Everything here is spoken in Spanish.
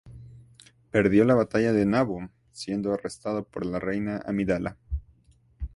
Perdió la batalla de Naboo, siendo arrestado por la Reina Amidala.